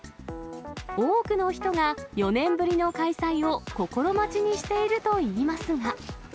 多くの人が４年ぶりの開催を心待ちにしているといいますが。